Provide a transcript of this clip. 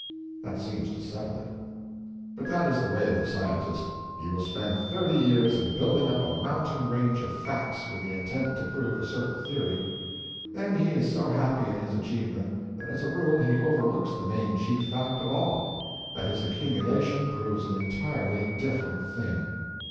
That seems to settle it. But that is the way of the scientist. He will spend thirty years in building up a mountain range of facts with the intent to prove a certain theory; then he is so happy in his achievement that as a rule he overlooks the main chief fact of all—that his accumulation proves an entirely different thing.